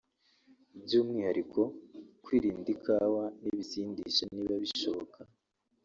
by’umwihariko kwirinda ikawa n’ibisindisha niba bishoboka